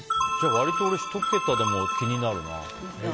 割と俺１桁でも気になるな。